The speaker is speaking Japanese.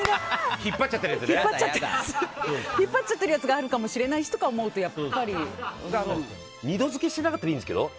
引っ張っちゃっているやつがあるかもと思うと２度漬けしなかったらいいんですけど。